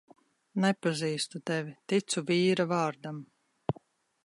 Nepazīstu tevi, ticu vīra vārdam.